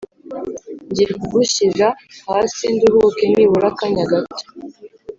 ngiye kugushyira hasi nduhuke nibura akanya gato